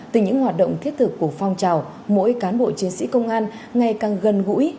từ những hoạt động thiết thực của phong trào mỗi cán bộ chiến sĩ công an ngày càng gần gũi